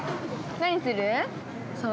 ◆何する？